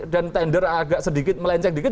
dan tender agak sedikit melenceng dikit